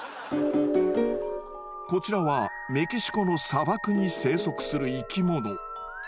こちらはメキシコの砂漠に生息する生き物。